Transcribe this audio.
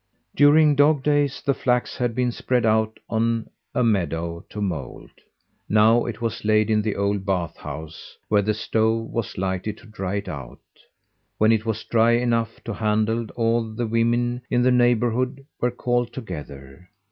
During dog days the flax had been spread out on a meadow to mould. Now it was laid in the old bath house, where the stove was lighted to dry it out. When it was dry enough to handle all the women in the neighbourhood were called together.